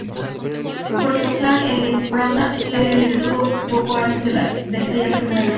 Corresponsal de "Pravda", se le detuvo poco antes de estallar la Primera Guerra Mundial.